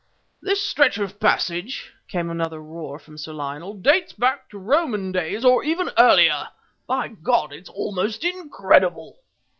_ "This stretch of passage," came another roar from Sir Lionel, "dates back to Roman days or even earlier! By God! It's almost incredible!"